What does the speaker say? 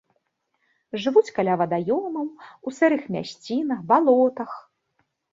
Жывуць каля вадаёмаў, у сырых мясцінах, балотах.